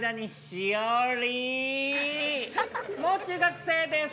◆もう中学生です。